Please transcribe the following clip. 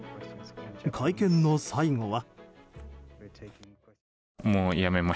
会見の最後は。